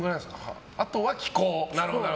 あとは気候。